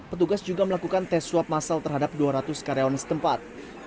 petugas juga melakukan tes swab masal terhadap dua ratus karyawan setempat